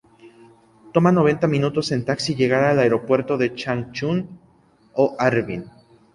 Toma noventa minutos en taxi llegar al aeropuerto de Changchun ó Harbin.